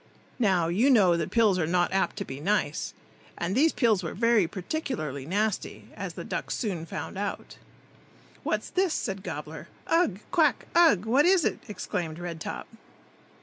Now, you know that pills are not apt to be nice, and these pills were very particularly nasty, as the ducks soon found out. "What's this?" said Gobbler. "Ugh! quack! ugh! What is it?" exclaimed Red top.